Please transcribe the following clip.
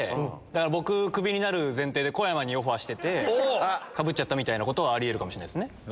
僕クビになる前提で小山にオファーしててかぶっちゃったみたいなことはあり得るかもしれないですね。